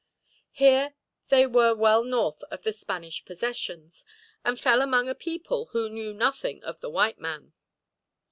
Here they were well north of the Spanish possessions, and fell among a people who knew nothing of the white man.